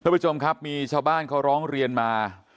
ผู้ชมครับมีชาวบ้านเขาร้องเรียนมา